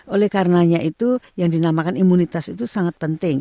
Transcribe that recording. oleh karenanya itu yang dinamakan imunitas itu sangat penting